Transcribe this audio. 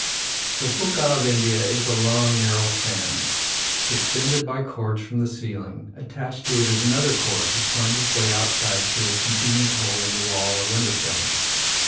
The punkah of India is a long, narrow fan, suspended by cords from the ceiling; attached to it is another cord which finds its way outside through a convenient hole in the wall or window frame.